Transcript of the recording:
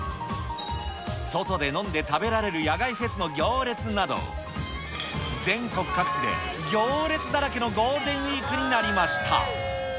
外で飲んで食べられる野外フェスの行列など、全国各地で、行列だらけのゴールデンウィークになりました。